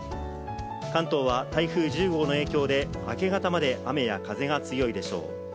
関東は台風１０号の影響で明け方まで雨や風が強いでしょう。